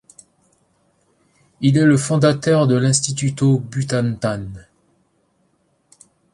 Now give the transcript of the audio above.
Il est le fondateur de l’Instituto Butantan.